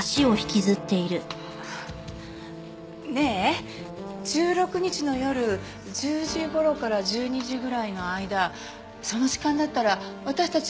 ねえ１６日の夜１０時頃から１２時ぐらいの間その時間だったら私たち